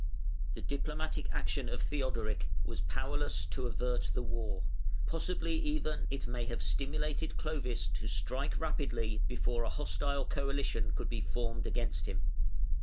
] The diplomatic action of Theodoric was powerless to avert the war; possibly even it may have stimulated Clovis to strike rapidly before a hostile coalition could be formed against him.